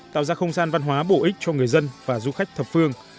tạo ra không gian văn hóa bổ ích cho người dân và du khách thập phương